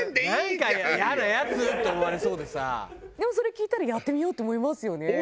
でもそれ聞いたらやってみようと思いますよね。